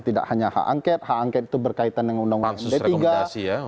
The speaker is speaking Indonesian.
tidak hanya hak angket hak angket itu berkaitan dengan undang undang